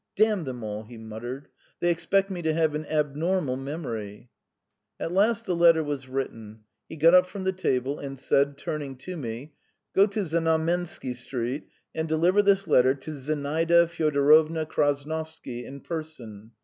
"Damn them all!" he muttered. "They expect me to have an abnormal memory!" At last the letter was written; he got up from the table and said, turning to me: "Go to Znamensky Street and deliver this letter to Zinaida Fyodorovna Krasnovsky in person.